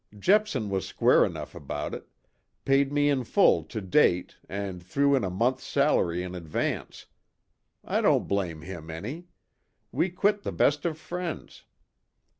Jepson was square enough about it paid me in full to date and threw in a month's salary in advance. I don't blame him any. We quit the best of friends.